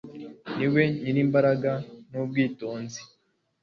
ni we nyir'imbaraga n'ubwitonzi